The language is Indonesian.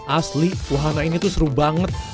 asli wahana ini tuh seru banget